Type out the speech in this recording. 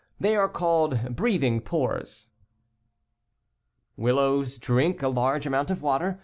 They are called "breathing pores" (Fig. ii). Willows drink a large amount of water.